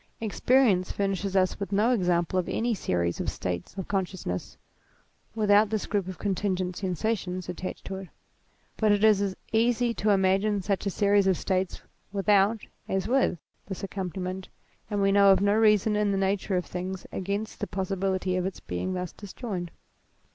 Ex perience furnishes us with no example of any series of states of consciousness, without this group of con tingent sensations attached to it ; but it is as easy to imagine such a series of states without, as with, this accompaniment, and we know of no reason in the nature of things against the possibility of its being thus disjoined.